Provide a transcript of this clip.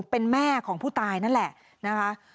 เป็นแม่ของผู้ตายนั่นแหละนะคะ